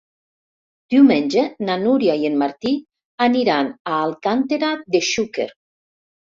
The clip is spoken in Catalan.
Diumenge na Núria i en Martí aniran a Alcàntera de Xúquer.